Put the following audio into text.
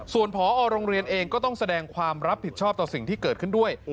ส่วนพอโรงเรียนเองก็ต้องแสดงความรับผิดชอบต่อสิ่งที่เกิดขึ้นด้วย